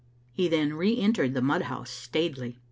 He then re entered the mud house staidly.